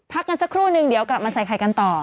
พักกันสักครู่นึงเดี๋ยวกลับมาใส่ไข่กันต่อ